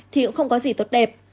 thì cũng không có gì tốt đẹp